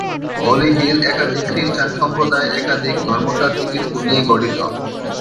হলি Hill একাধিক খৃস্টান সম্প্রদায় একাধিক ধর্মতাত্ত্বিক স্কুল নিয়ে গঠিত।